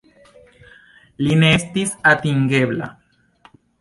Li ne estis atingebla.